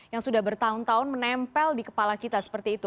yang sudah bertahun tahun menempel di kepala kita seperti itu